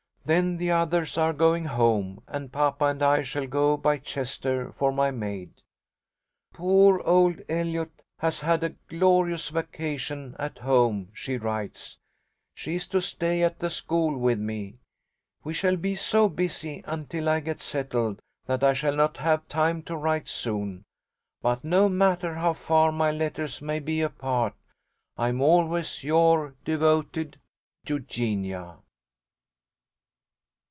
Then the others are going home and papa and I shall go by Chester for my maid. Poor old Eliot has had a glorious vacation at home, she writes. She is to stay at the school with me. We shall be so busy until I get settled that I shall not have time to write soon; but no matter how far my letters may be apart, I am always your devoted EUGENIA."